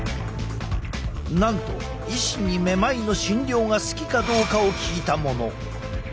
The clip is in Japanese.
なんと医師にめまいの診療が好きかどうかを聞いたもの。